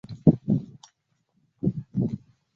The remaining two vessels would be in maintenance.